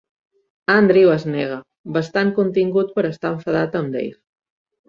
Andrew es nega, bastant contingut per estar enfadat amb Dave.